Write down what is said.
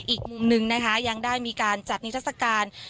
อีกมุมหนึ่งนะคะยังได้มีการจัดนิทัศกาล